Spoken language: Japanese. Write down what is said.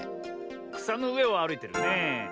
くさのうえをあるいてるねえ。